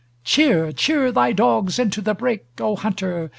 Cheer, cheer thy dogs into the brake, O hunter!